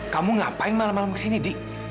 kamu ngapain malam malam kesini dik